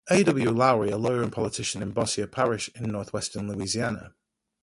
A. W. Lowry, a lawyer and politician in Bossier Parish in northwestern Louisiana.